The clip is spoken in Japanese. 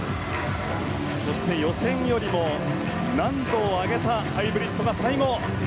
そして、予選よりも難度を上げたハイブリッドが最後。